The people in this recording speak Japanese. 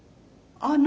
あの。